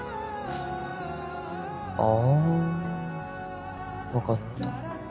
あ分かった。